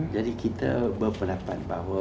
jadi kita berpendapat bahwa